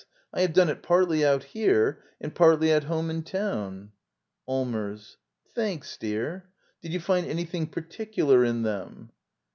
I have done it partly out here and partly at home in town. Allmers. Thanks, dear. — Did you find any thing particular in them?